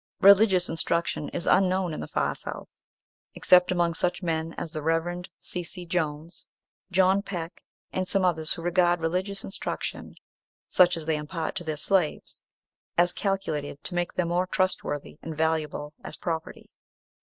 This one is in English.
Religious instruction is unknown in the far South, except among such men as the Rev. C. C. Jones, John Peck, and some others who regard religious instruction, such as they impart to their slaves, as calculated to make them more trustworthy and valuable as property.